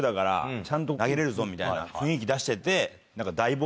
みたいな雰囲気出してて。